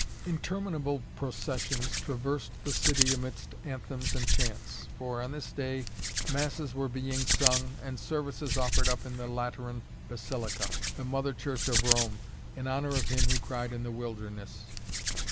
Interminable processions traversed the city amidst anthems and chants, for, on this day, masses were being sung and services offered up in the Lateran Basilica, the Mother Church of Rome, in honor of Him who cried in the wilderness.